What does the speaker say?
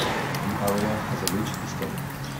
The area has a rich history.